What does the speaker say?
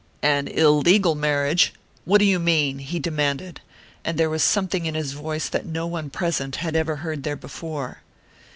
"An illegal marriage? What do you mean?" he demanded, and there was something in his voice that no one present had ever heard there before.